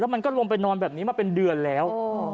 มันก็ลงไปนอนแบบนี้มาเป็นเดือนแล้ว